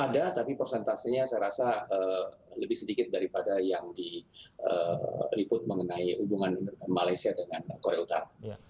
ada tapi persentasenya saya rasa lebih sedikit daripada yang diliput mengenai hubungan malaysia dengan korea utara